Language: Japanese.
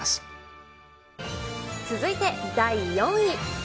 続いて第４位。